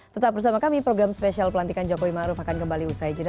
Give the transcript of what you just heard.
tetap bersama kami program spesial pelantikan jokowi maruf akan kembali usai jeda